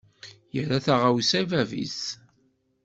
Yerra taɣawsa i bab-is.